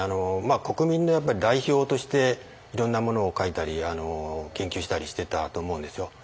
国民の代表としていろんなものを書いたり研究してたりしてたと思うんですよ。